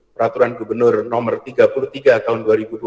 peraturan gubernur no tiga puluh tiga tahun dua ribu dua puluh